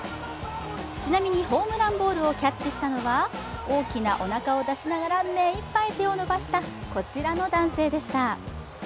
ちなみに、ホームランボールをキャッチしたのは、大きなおなかを出しながら目いっぱい手を伸ばしたこちらの男性でした。